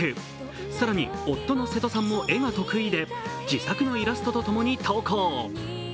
更に、夫の瀬戸さんも絵が得意で自作のイラストとともに投稿。